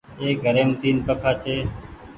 اي گهريم تين پنکآ ڇي۔